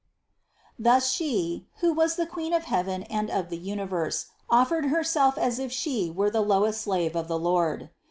350. Thus She who was the Queen of heaven and of the universe, offered Herself as if She were the lowest slave of the Lord.